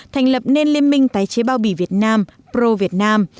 thành lập nên liên minh tái chế bao bì việt nam pro việt nam